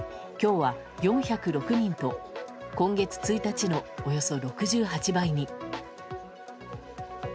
今日は４０６人と今月１日のおよそ６８倍に。